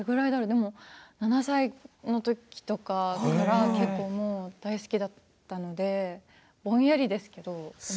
でも７歳のときとか結構大好きだったのでぼんやりですけど。